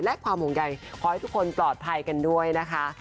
และความห่วงใยขอให้ทุกคนปลอดภัยกันด้วยนะคะ